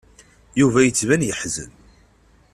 Yuba yettban yeḥzen.